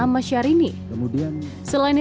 selain itu syahrini juga menyebut nama penyanyi syahrini